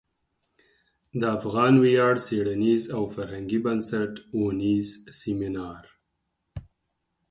د افغان ویاړ څیړنیز او فرهنګي بنسټ او نیز سمینار